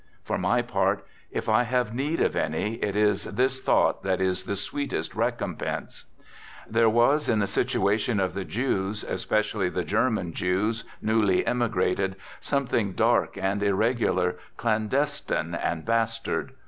For my part, if I have need of any, it is this thought that is the sweetest recompense. There was in the situation of the Jews, especially the German Jews newly immigrated, something dark and irregular, clandestine and bastard.